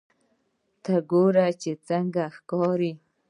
ته وګوره چې څنګه ښکاري